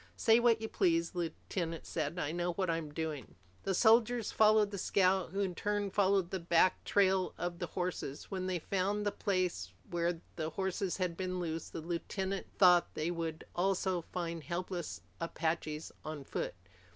"Say what you please," the lieutenant said. "I know what I'm doing." The soldiers followed the scout, who in turn followed the back trail of the horses. When they found the place where the horses had been loosed, the lieutenant thought, they would also find helpless Apaches on foot.